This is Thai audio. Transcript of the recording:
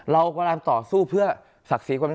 เรากำลังต่อสู้เพื่อศักดิ์ศรีความรัก